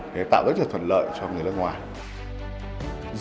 để tạo rất là thuận lợi cho người nước ngoài